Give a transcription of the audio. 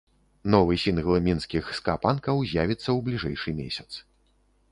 Новы сінгл мінскіх ска-панкаў з'явіцца ў бліжэйшы месяц.